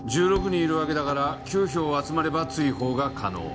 １６人いるわけだから９票集まれば追放が可能。